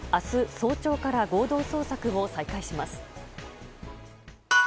早朝から合同捜索を再開します。